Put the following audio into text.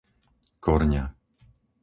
Korňa